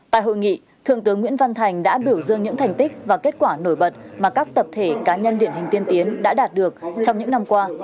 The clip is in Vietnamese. tại hội nghị thượng tướng nguyễn văn thành đã biểu dương những thành tích và kết quả nổi bật mà các tập thể cá nhân điển hình tiên tiến đã đạt được trong những năm qua